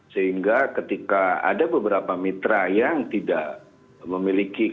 sehingga ketika ada beberapa mitra yang tidak memiliki